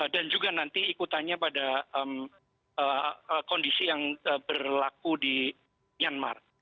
dan juga nanti ikutannya pada kondisi yang berlaku di myanmar